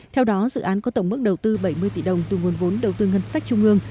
theo đó dự án có tổng mức đầu tư bảy mươi tỷ đồng từ nguồn vốn đầu tư ngân sách trung ương